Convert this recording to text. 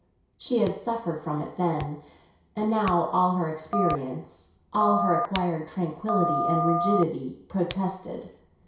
She had suffered from it then; and now all her experience, all her acquired tranquillity and rigidity, protested.